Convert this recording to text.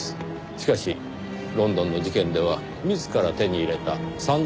しかしロンドンの事件では自ら手に入れた散弾銃でした。